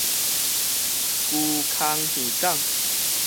龜空漁港